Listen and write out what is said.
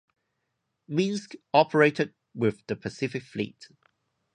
"Minsk" operated with the Pacific Fleet.